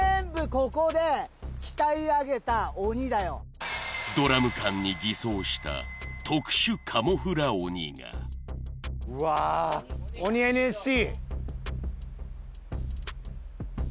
ここで鍛え上げた鬼だよドラム缶に偽装した特殊カモフラ鬼がうわ鬼ＮＳＣ